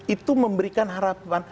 itu memberikan harapan